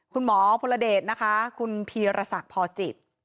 คุณหมอพลเดชนะคะคุณพีรศักดิ์พอจิต